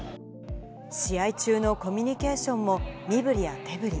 試合中のコミュニケーションも、身ぶりや手ぶり。